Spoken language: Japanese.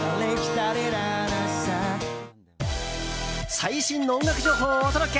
最新の音楽情報をお届け！